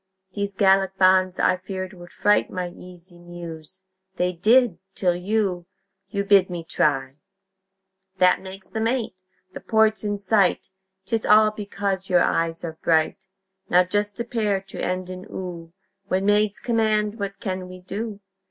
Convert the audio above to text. These Gallic bonds, I feared, would fright My easy Muse. They did, till you You bid me try! That makes them eight. The port's in sight 'Tis all because your eyes are bright! Now just a pair to end in "oo" When maids command, what can't we do?